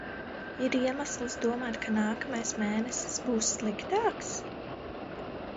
Ir iemesls domāt, ka nākamais mēnesis būs sliktāks?